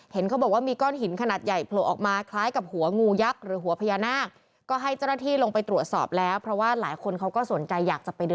เห็นเขาบอกว่ามีก้อนหินขนัดใหญ่